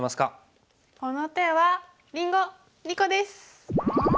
この手はりんご２個です！